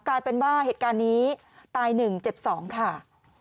กลายเป็นว่าเหตุการณ์นี้ตาย๑เจ็บ๒ค่ะ